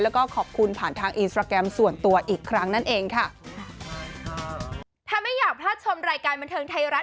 แล้วก็ขอบคุณผ่านทางอินสตราแกรมส่วนตัวอีกครั้งนั่นเองค่ะ